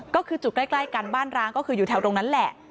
ก็คือจุดใกล้กันบ้านร้างก็คืออยู่แถวตรงนั้นแหละ